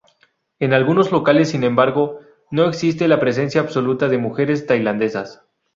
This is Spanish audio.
En algunos locales sin embargo, no existe la presencia absoluta de mujeres tailandesas.